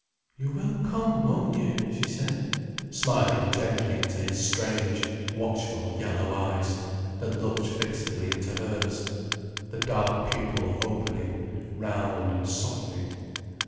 "You will come, won't you?" she said, smiling gently into his strange, watchful yellow eyes, that looked fixedly into hers, the dark pupil opening round and softening.